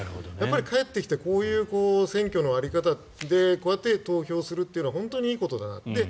帰ってきてこういう選挙の在り方でこうやって投票するのは本当にいいことだなと。